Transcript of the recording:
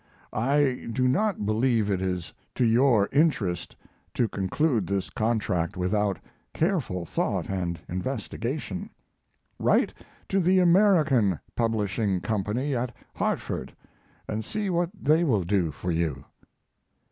I do not believe it is to your interest to conclude this contract without careful thought and investigation. Write to the American Publishing Company at Hartford and see what they will do for you."